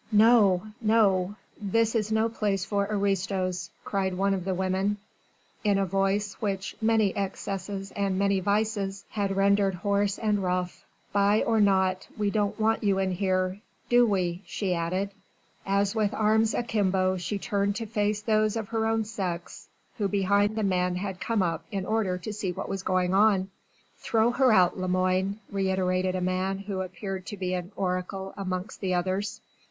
"No! No! This is no place for aristos," cried one of the women in a voice which many excesses and many vices had rendered hoarse and rough. "Spy or not, we don't want you in here. Do we?" she added as with arms akimbo she turned to face those of her own sex, who behind the men had come up in order to see what was going on. "Throw her out, Lemoine," reiterated a man who appeared to be an oracle amongst the others.